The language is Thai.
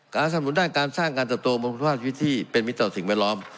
สนุนด้านการสร้างการเติบโตบนคุณภาพชีวิตที่เป็นมิตรต่อสิ่งแวดล้อม